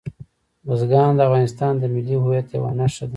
بزګان د افغانستان د ملي هویت یوه نښه ده.